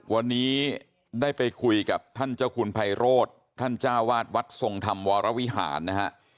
วันนี้ได้ไปคุยกับท่านเจ้าคุณไพโรธท่านจ้าวาดวัดทรงธรรมวรวิหารนะฮะ